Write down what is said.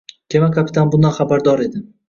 Kema kapitani bundan xabardor edi.